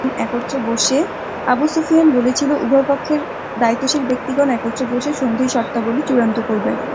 আবু সুফিয়ান বলেছিল, উভয় পক্ষের দায়িত্বশীল ব্যক্তিগণ একত্রে বসে সন্ধির শর্তাবলী চুড়ান্ত করবে।